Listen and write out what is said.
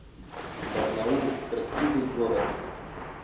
Барнаул — красивый город